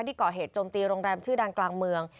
ก่อเหตุโจมตีโรงแรมชื่อดังกลางเมือง